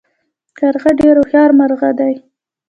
کارغه ډیر هوښیار مرغه دی